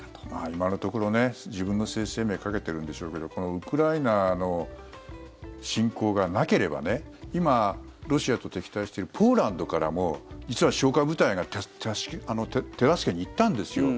今のところね自分の政治生命をかけているんでしょうけどこのウクライナの侵攻がなければ今、ロシアと敵対しているポーランドからも実は消火部隊が手助けに行ったんですよ。